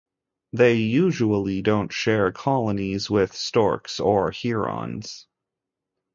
They usually don't share colonies with storks or herons.